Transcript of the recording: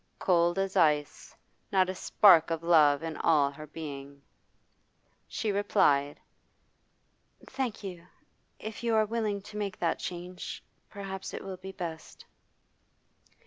Cold as ice; not a spark of love in all her being. She replied: 'Thank you. If you are willing to make that change, perhaps it will be best.